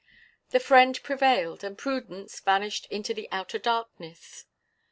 The fiend prevailed, and Prudence vanished into the outer darkness.